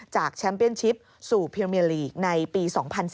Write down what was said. จากแชมเปียนชิปสู่พิมเมีอร์ลีกในปี๒๐๑๔